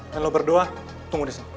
dan lo berdua tunggu di sana